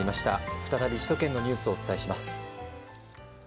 再び首都圏のニュースをお伝えします。